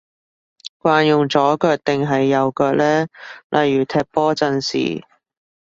慣用左腳定係右腳呢？例如踢波陣時